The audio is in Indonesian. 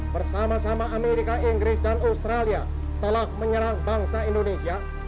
bersama sama amerika inggris dan australia telah menyerang bangsa indonesia